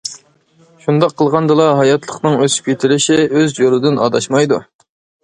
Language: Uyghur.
شۇنداق قىلغاندىلا، ھاياتلىقنىڭ ئۆسۈپ يېتىلىشى ئۆز يولىدىن ئاداشمايدۇ.